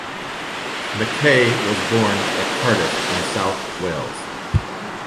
Mackay was born at Cardiff in south Wales.